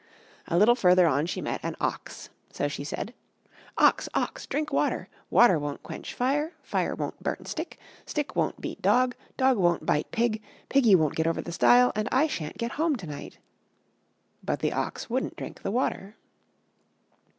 A little further on she met an ox. So she said: "Ox! ox! drink water; water won't quench fire; fire won't burn stick; stick won't beat dog; dog won't bite pig; piggy won't get over the stile; and I sha'n't get home to night." But the ox wouldn't drink the water.